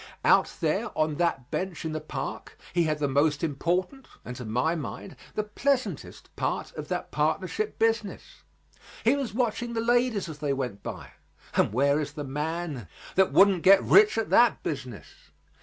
Out there on that bench in the park he had the most important, and to my mind, the pleasantest part of that partnership business. He was watching the ladies as they went by; and where is the man that wouldn't get rich at that business?